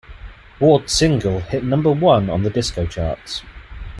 Ward's single hit number one on the disco charts.